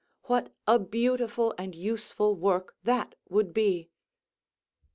What a beautiful and useful work that would be!